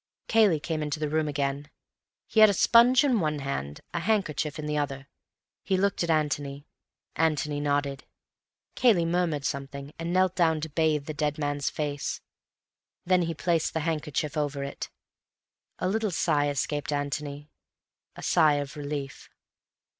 Cayley came into the room again. He had a sponge in one hand, a handkerchief in the other. He looked at Antony. Antony nodded. Cayley murmured something, and knelt down to bathe the dead man's face. Then he placed the handkerchief over it. A little sigh escaped Antony, a sigh of relief.